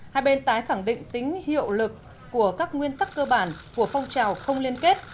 một mươi một hai bên tái khẳng định tính hiệu lực của các nguyên tắc cơ bản của phong trào không liên kết